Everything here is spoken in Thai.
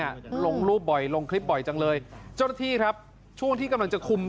ลงรูปบ่อยลงคลิปบ่อยจังเลยเจ้าหน้าที่ครับช่วงที่กำลังจะคุม